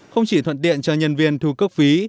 không chỉ thuận tiện cho nhân viên thu cấp phí